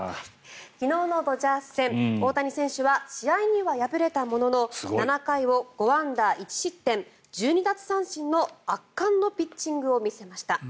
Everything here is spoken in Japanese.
昨日のドジャース戦大谷選手は試合には敗れたものの７回を５安打１失点１２奪三振の圧巻のピッチングを見せました。